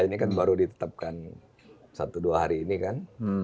ini kan baru ditetapkan satu dua hari ini kan